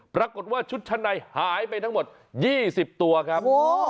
ปรากฏว่าชุดชั้นในหายไปทั้งหมด๒๐ตัวครับ